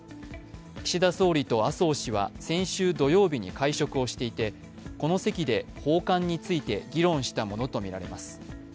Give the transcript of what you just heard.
岸田総理と麻生氏は先週土曜日に会食をしていてこの席で訪韓について議論したものとみられます。